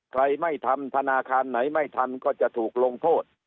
ใครไม่ทำธนาคารไหนไม่ทำก็จะถูกลงโทษ